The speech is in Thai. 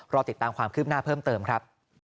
รอติดตามความคืบหน้าเพิ่มเติมครับ